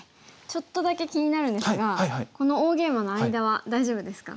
ちょっとだけ気になるんですがこの大ゲイマの間は大丈夫ですか？